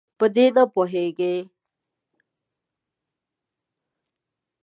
په دې نه پوهیږي.